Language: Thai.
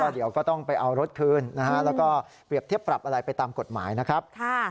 เดี๋ยวก็ต้องไปเอารถคืนนะฮะแล้วก็เปรียบเทียบปรับอะไรไปตามกฎหมายนะครับ